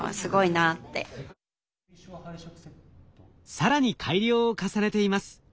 更に改良を重ねています。